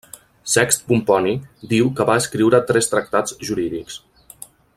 Sext Pomponi diu que va escriure tres tractats jurídics.